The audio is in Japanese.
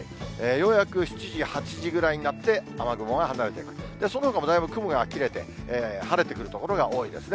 ようやく７時、８時くらいになって、雨雲が離れていく、そのほかもだいぶ雲が切れて、晴れてくる所が多いですね。